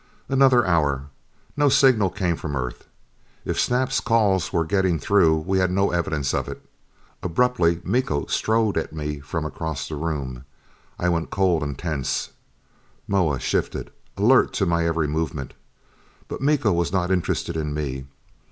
Another hour. No signal came from Earth. If Snap's calls were getting through we had no evidence of it. Abruptly Miko strode at me from across the room. I went cold and tense; Moa shifted, alert to my every movement. But Miko was not interested in me.